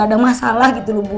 gak ada masalah gitu bu